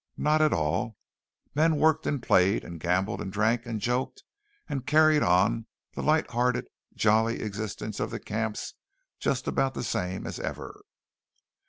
Not at all. Men worked and played and gambled and drank and joked and carried on the light hearted, jolly existence of the camps just about the same as ever.